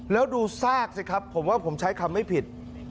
แล้วดูซากสิครับผมว่าผมใช้คำไม่ผิด